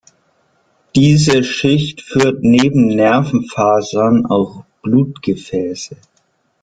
Diese Schicht führt neben Nervenfasern auch Blutgefäße.